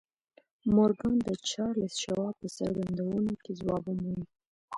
مورګان د چارلیس شواب په څرګندونو کې ځواب وموند